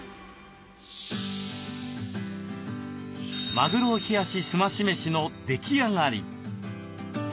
「マグロ冷やしすまし飯」の出来上がり。